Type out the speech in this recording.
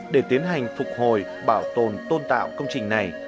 để tiến hành phục hồi bảo tồn tôn tạo công trình này